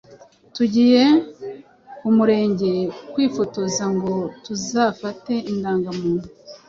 Tugiye ku Murenge kwifotoza ngo tuzafate indangamuntu.